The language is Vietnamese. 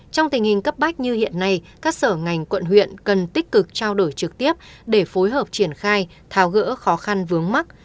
trong tình hình cấp bách như hiện nay các sở ngành quận huyện cần tích cực trao đổi trực tiếp để phối hợp triển khai tháo gỡ khó khăn vướng mắt